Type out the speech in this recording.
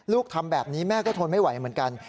ลูกทำแบบนี้แม่ก็ทนไม่ไหวเหมือนกัน